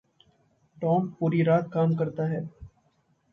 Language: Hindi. टॉम पूरी रात काम करता है।